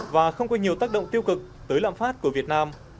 và không có nhiều tác động tiêu cực tới lạm phát của việt nam